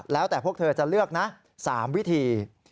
แล้วแต่คุณจะเลือกนะ๓วิธี